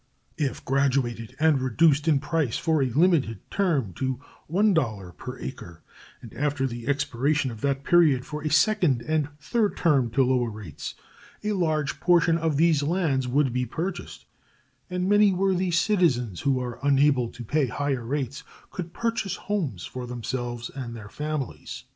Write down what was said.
If graduated and reduced in price for a limited term to $1 per acre, and after the expiration of that period for a second and third term to lower rates, a large portion of these lands would be purchased, and many worthy citizens who are unable to pay higher rates could purchase homes for themselves and their families.